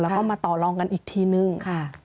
แล้วก็มาต่อลองกันอีกทีนึง